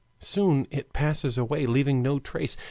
Soon it passes away, leaving no trace.